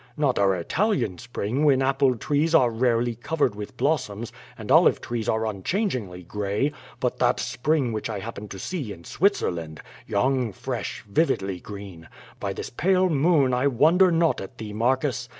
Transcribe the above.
not our Italian Spring, when apple trees are rarely covered with blossoms, and olive trees are un changingly gray, but that Spring which I happened to see in Switzerland — ^young, fresh, vividly green. By this pale moon, I wonder not at thee, Marcus.